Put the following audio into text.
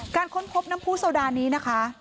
ค้นพบน้ำผู้โซดานี้นะคะ